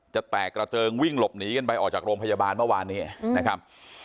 แตกกระเจิงวิ่งหลบหนีกันไปออกจากโรงพยาบาลเมื่อวานนี้นะครับ